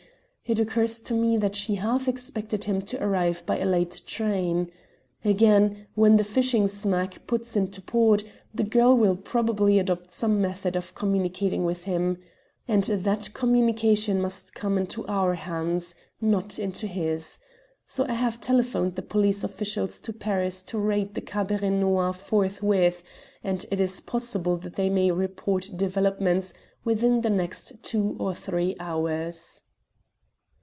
It occurs to me that she half expected him to arrive by a late train. Again, when the fishing smack puts into port, the girl will probably adopt some method of communicating with him, and that communication must come into our hands, not into his. So I have telephoned the police officials in Paris to raid the Cabaret Noir forthwith, and it is possible that they may report developments within the next two or three hours."